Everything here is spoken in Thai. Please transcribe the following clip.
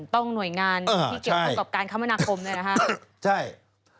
หน่วยงานที่เกี่ยวข้องกับการคมนาคมเนี่ยนะครับ